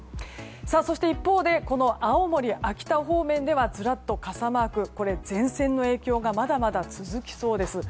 そして、一方で青森、秋田方面ではずらっと傘マーク前線の影響がまだまだ続きそうです。